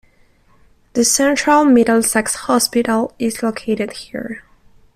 The Central Middlesex Hospital is located here.